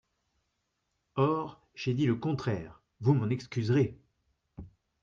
Or j’ai dit le contraire, vous m’en excuserez.